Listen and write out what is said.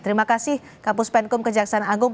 terima kasih kapus penkum kejaksaan agung